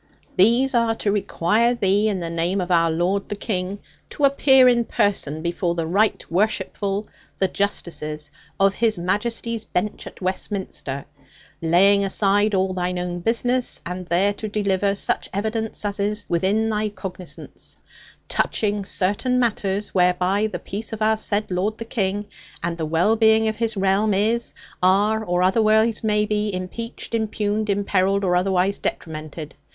These are to require thee, in the name of our lord the King, to appear in person before the Right Worshipful, the Justices of His Majesty's Bench at Westminster, laying aside all thine own business, and there to deliver such evidence as is within thy cognisance, touching certain matters whereby the peace of our said lord the King, and the well being of this realm, is, are, or otherwise may be impeached, impugned, imperilled, or otherwise detrimented.